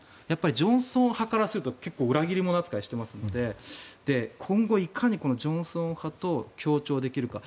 ジョンソン派からすると結構裏切り者扱いしていますので今後いかにこのジョンソン派と協調できるか。